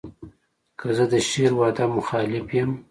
که زه د شعر و ادب مخالف یم.